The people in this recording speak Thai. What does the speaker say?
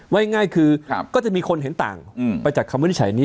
ง่ายคือก็จะมีคนเห็นต่างไปจากคำวินิจฉัยนี้